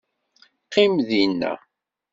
Qqim dinna.